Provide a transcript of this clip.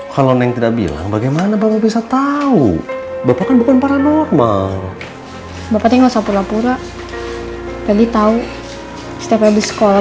setiap abis sekolah